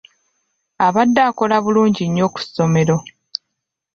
Abadde akola bulungi nnyo ku ssomero.